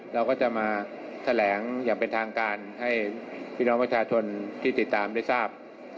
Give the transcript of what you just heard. เราก็จะมาแถลงอย่างเป็นทางการให้พี่น้องประชาชนที่ติดตามได้ทราบ